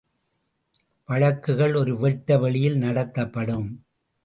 வழக்குகள் ஒரு வெட்ட வெளியில் நடத்தப்படும்.